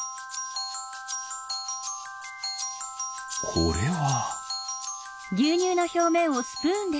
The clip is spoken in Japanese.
これは。